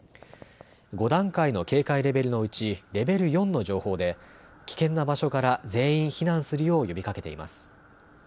５段階の警戒レベルのうちレベル４の情報で危険な場所から全員避難するよう呼びかけています。